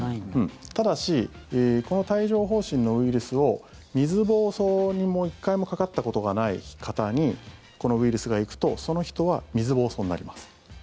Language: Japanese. ただしこの帯状疱疹のウイルスを水ぼうそうに一回もかかったことがない方にこのウイルスが行くとその人は水ぼうそうになります。